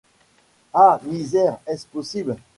Ah! misère, est ce possible?